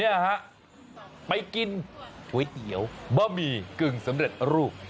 เนี่ยฮะไปกินก๋วยเตี๋ยวบะหมี่กึ่งสำเร็จรูป